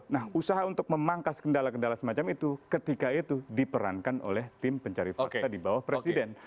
nah usaha untuk memangkas kendala kendala semacam itu ketika itu diperankan oleh tim pencari fakta di bawah presiden